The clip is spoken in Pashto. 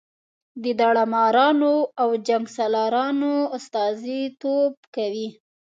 د داړه مارانو او جنګ سالارانو استازي توب کوي.